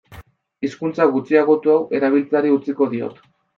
Hizkuntza gutxiagotu hau erabiltzeari utziko diot.